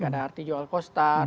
ada arti jual kostar